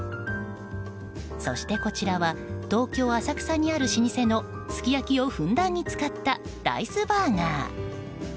そしてこちらは東京・浅草にある老舗のすき焼きをふんだんに使ったライスバーガー。